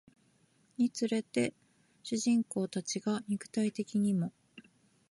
につれて主人公たちが肉体的にも